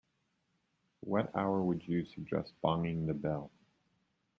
At what hour would you suggest bonging the bell?